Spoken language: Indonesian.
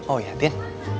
oh ya tin